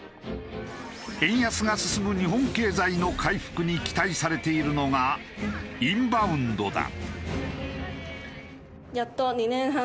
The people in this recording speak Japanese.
円安が進む日本経済の回復に期待されているのがインバウンドだ。